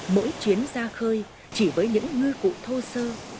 mỗi chuyến ra khơi chỉ với những ngư cụ thô sơ